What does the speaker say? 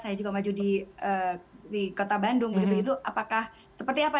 saya juga maju di kota bandung begitu itu apakah seperti apa